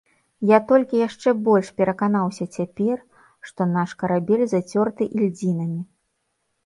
Я толькі яшчэ больш пераканаўся цяпер, што наш карабель зацёрты ільдзінамі.